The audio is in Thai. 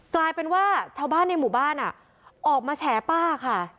กลายเป็นว่าชาวบ้านในหมู่บ้านออกมาแฉป้าค่ะ